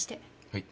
はい。